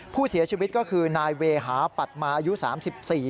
ผู้เสียชีวิตก็คือนายเวหาปัดมาอายุสามสิบสี่